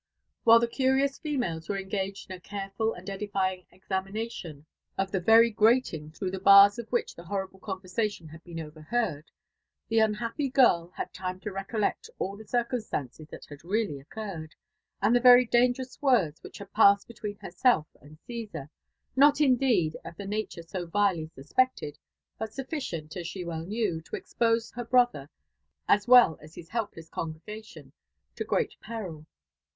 White the cutiotil females Were engaged In a eareful and edifying examinatibn of (h6 very grating throbgh fte bars of which the hotribl^) conversatiofi haA been overheard, the unhappy girl had time to r^collebt all the eifOtihl« slances that had really occurred, and the very dangerous Words WhidB had passed between hferftelf and tla^^ar^not, ihde^d, of 9tb tiatnre so vilely duspecied* but Sufficient, ai uhe well kneW, to Mpdse hfft 'brother, as well as hi^ helplei;^ congregation, to great peril.